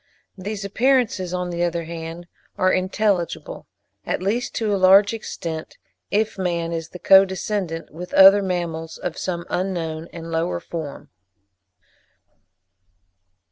These appearances, on the other hand, are intelligible, at least to a large extent, if man is the co descendant with other mammals of some unknown and lower form.